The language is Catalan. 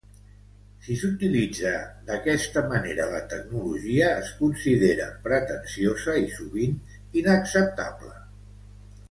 Si s'utilitza d'aquesta manera, la tecnologia es considera pretensiosa i sovint inacceptable.